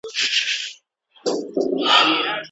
په قلم لیکنه کول د فکري رکود مخه نیسي.